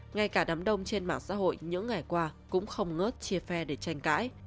ngay cả đám đông trên mạng xã hội những ngày qua cũng không ngớt chia phe để tranh cãi